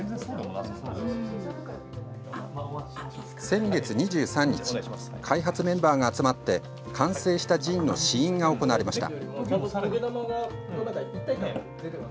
先月２３日開発メンバーが集まって完成したジンの試飲が行われました。